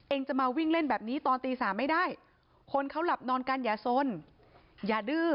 จะมาวิ่งเล่นแบบนี้ตอนตี๓ไม่ได้คนเขาหลับนอนกันอย่าสนอย่าดื้อ